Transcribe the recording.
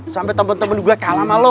sampe temen temen gua kalah sama lo